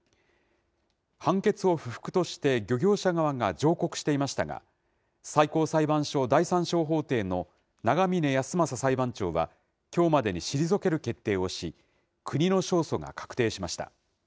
判決を不服として、漁業者側が上告していましたが、最高裁判所第３小法廷の長嶺安政裁判長はきょうまでに退ける決定をし、国の勝訴が確定しました。